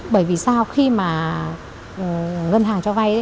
bởi vì sao khi mà ngân hàng cho vay